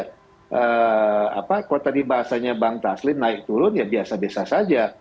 kalau tadi bahasanya bang taslim naik turun ya biasa biasa saja